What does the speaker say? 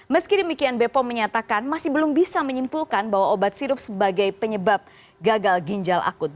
meski demikian bepom menyatakan masih belum bisa menyimpulkan bahwa obat sirup sebagai penyebab gagal ginjal akut